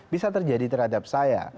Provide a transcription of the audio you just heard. bisa terjadi terhadap saya